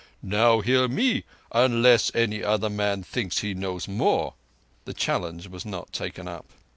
"Now hear me—unless any other man thinks he knows more." The challenge was not taken up.